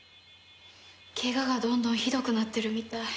ケガがどんどんひどくなってるみたい。